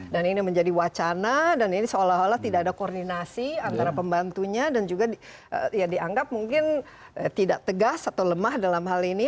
dan ini menjadi wacana dan ini seolah olah tidak ada koordinasi antara pembantunya dan juga ya dianggap mungkin tidak tegas atau lemah dalam hal ini